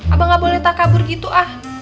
abah gak boleh takabur gitu ah